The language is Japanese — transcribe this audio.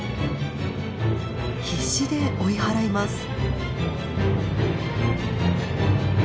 必死で追い払います。